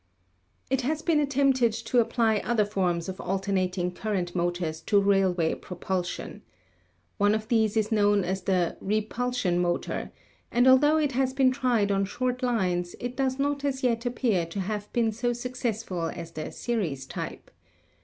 It has been attempted to apply other forms of alternat ing current motors to railway propulsion. One of these is known as the "repulsion" motor, and altho it has been tried on short lines, it does not as yet appear to have been so successful as the "series" type.